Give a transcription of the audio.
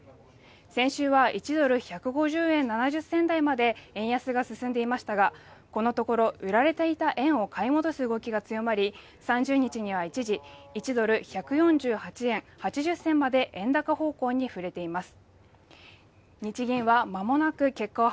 先週は１ドル＝１５０円７０銭台まで円安が進んでいましたがこのところ売られていた円を買い戻す動きが強まり３０日には一時１ドル＝１４８円８０銭まで円高方向に振れています